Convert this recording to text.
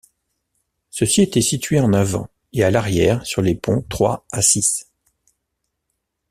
Ceux-ci étaient situés en avant et à l'arrière sur les ponts trois à six.